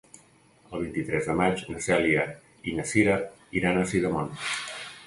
El vint-i-tres de maig na Cèlia i na Cira iran a Sidamon.